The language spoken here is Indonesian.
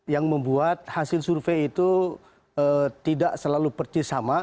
yang membuat hasil survei itu tidak selalu persis sama